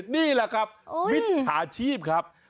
นี่แหละครับมิจฉาชีพครับ